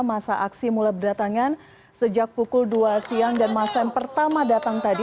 masa aksi mulai berdatangan sejak pukul dua siang dan masa yang pertama datang tadi